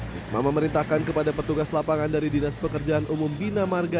risma memerintahkan kepada petugas lapangan dari dinas pekerjaan umum bina marga